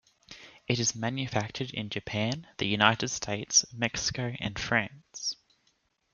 It is manufactured in Japan, the United States, Mexico, and France.